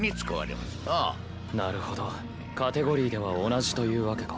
なるほどカテゴリーでは同じというわけか。